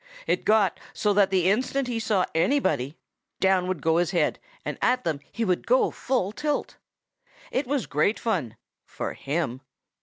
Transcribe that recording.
It got so that the instant he saw anybody, down would go his head and at them he would go full tilt. "It was great fun for him.